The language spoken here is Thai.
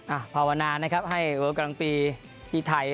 อ่ะภาวนานะครับให้เวิลกรังปีที่ไทย